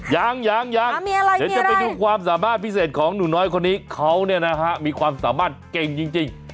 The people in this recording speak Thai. ยังยังเดี๋ยวจะไปดูความสามารถพิเศษของหนูน้อยคนนี้เขาเนี่ยนะฮะมีความสามารถเก่งจริง